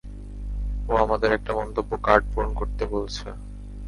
ও আমাদের একটা মন্তব্য কার্ড পূরণ করতে বলছে।